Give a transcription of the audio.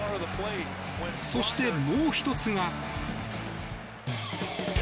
そして、もう１つが。